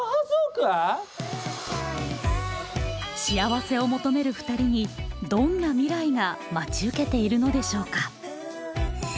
幸せを求めるふたりにどんな未来が待ち受けているのでしょうか？